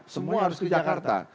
semua harus di jakarta